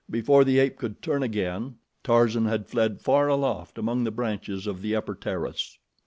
Before the ape could turn again, Tarzan had fled far aloft among the branches of the upper terrace.